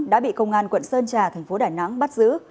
đã bị công an quận sơn trà tp đà nẵng bắt giữ